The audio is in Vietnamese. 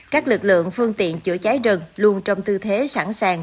các lực lượng phương tiện chữa cháy rừng luôn trong tư thế sẵn sàng